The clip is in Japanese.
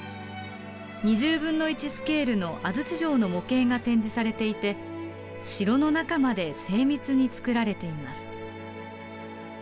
２０分の１スケールの安土城の模型が展示されていて城の中まで精密に作られています。